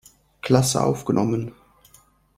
Klasse aufgenommen.